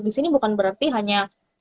di sini bukan berarti hanya